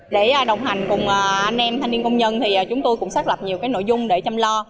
để đồng hành cùng anh em thanh niên công nhân thì chúng tôi cũng xác lập nhiều nội dung để chăm lo